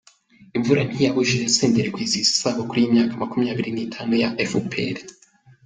Imvura ntiyabujije Senderi kwizihiza isabukuru y’imyaka makumyabiri nitanu ya efuperi